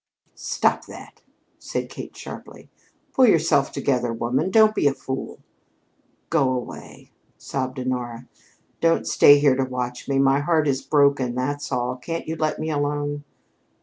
"Stop that!" said Kate, sharply. "Pull yourself together, woman. Don't be a fool." "Go away," sobbed Honora. "Don't stay here to watch me. My heart is broken, that's all. Can't you let me alone?"